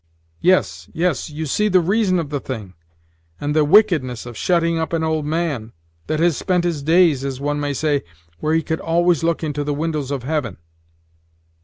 Yes, yes you see the reason of the thing, and the wicked ness of shutting up an old man that has spent his days, as one may say, where he could always look into the windows of heaven."